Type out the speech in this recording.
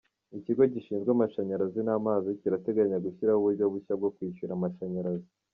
Ikigo gishinzwe amashanyarazi n’amazi kirateganya gushyiraho uburyo bushya bwo kwishyura amashanyarazi